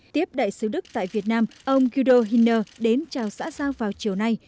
tiếp đại sứ đức tại việt nam ông gido hinner đến chào xã giao vào chiều nay